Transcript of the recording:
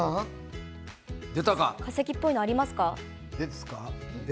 化石っぽいのはありますか？